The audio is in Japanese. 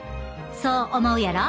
そう思うやろ？